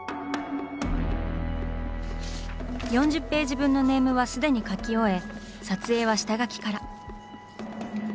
４０ページ分のネームは既に描き終え撮影は下描きから。